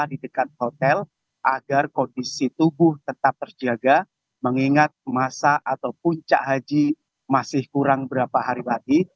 jika tidak mereka akan dihimbau ke hotel agar kondisi tubuh tetap terjaga mengingat masa atau puncak haji masih kurang berapa hari lagi